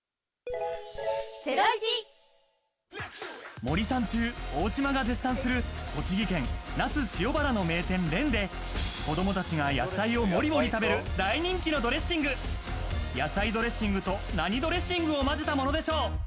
森三中・大島が絶賛する栃木県那須塩原のＲＥＮで子どもたちが野菜をモリモリ食べるサラダには野菜ドレッシングと何ドレッシングを混ぜたものでしょう？